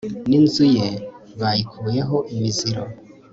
n'inzu ye bayikuyeho imiziro